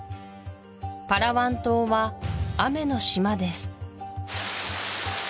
パラワン島は雨の島です